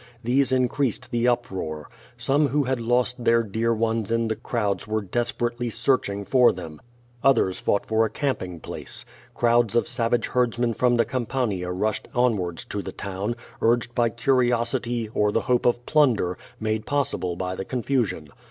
These increased the uproar. Some who had lost their dear ones in the crowds were desperately searching for them. Others fought for a QUO VADIS. 3X1 camping place. Crowds of savage herdsmen from the Cam pania rushed onwards to the town, urged by curiosity, or the hope of plunder, made possible by the confusion.